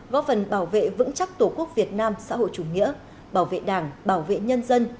góp phần bảo vệ vững chắc tổ quốc việt nam xã hội chủ nghĩa bảo vệ đảng bảo vệ nhân dân